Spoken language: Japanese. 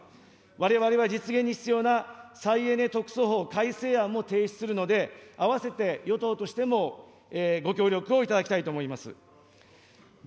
われわれは実現に必要な再エネ特措法改正案も提出するので、あわせて与党としてもご協力をいただきたいと思います。